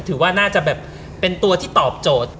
ถือว่าน่าจะแบบเป็นตัวที่ตอบโจทย์